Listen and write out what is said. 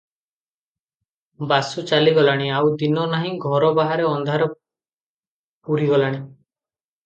ବାସୁ ଚାଲି ଗଲାଣି, ଆଉ ଦିନ ନାହିଁ, ଘର ବାହାର ଅନ୍ଧାର ପୂରି ଗଲାଣି ।